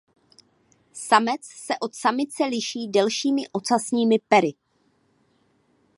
Samec se od samice liší delšími ocasními pery.